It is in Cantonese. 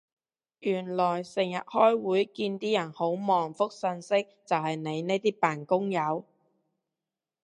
原來成日開會見啲人好忙覆訊息就係你呢啲扮工友